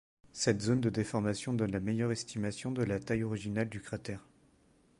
Cette zone de déformation donne la meilleure estimation de la taille originale du cratère.